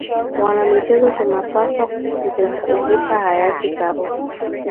Wanamichezo tunapswa kumkumbuka Hayati Karume